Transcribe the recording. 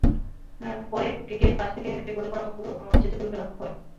পরে কেকের পাশ থেকে গলে পড়া মোমগুলো চেঁছে তুলে ফেলা হয়।